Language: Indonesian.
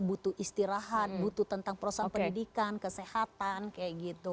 butuh istirahat butuh tentang perusahaan pendidikan kesehatan kayak gitu